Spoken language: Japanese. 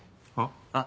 あっ。